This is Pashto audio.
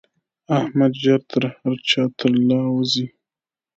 احمد ژر تر هر چا تر له وزي.